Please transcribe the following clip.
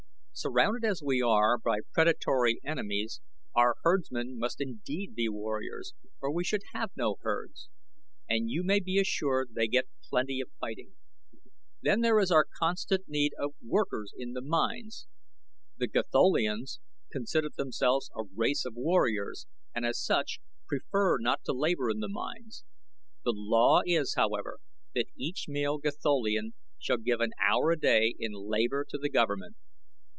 "Surrounded as we are by predatory enemies our herdsmen must indeed be warriors or we should have no herds, and you may be assured they get plenty of fighting. Then there is our constant need of workers in the mines. The Gatholians consider themselves a race of warriors and as such prefer not to labor in the mines. The law is, however, that each male Gatholian shall give an hour a day in labor to the government.